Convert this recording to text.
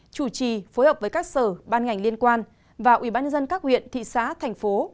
chủ trì phối hợp với các sở ban ngành liên quan và ubnd các huyện thị xã thành phố